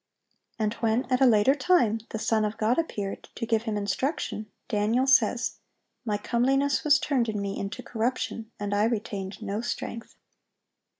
And when at a later time the Son of God appeared, to give him instruction, Daniel says, "My comeliness was turned in me into corruption, and I retained no strength."